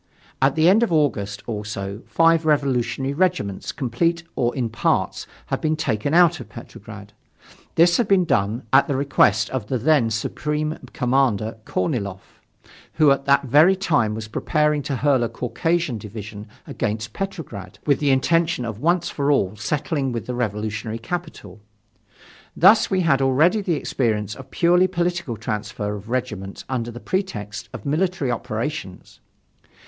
At the end of August, also, five revolutionary regiments, complete or in parts, had been taken out of Petrograd. This had been done at the request of the then Supreme Commander Korniloff, who at that very time was preparing to hurl a Caucasian division against Petrograd, with the intention of once for all settling with the revolutionary capital. Thus we had already the experience of purely political transfer of regiments under the pretext of military operations.